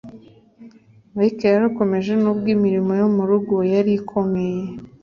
Mike yarakomeje nubwo imirimo yo mu rugo yari ikomeye